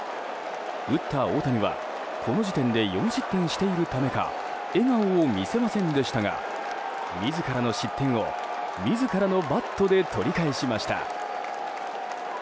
打った大谷はこの時点で４失点しているためか笑顔を見せませんでしたが自らの失点を自らのバットで取り返しました。